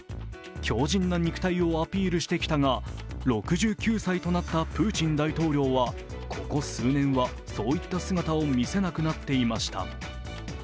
強じんな肉体をアピールしてきたが６９歳となったプーチン大統領はここ数年はそういった姿を見せなくなっていました。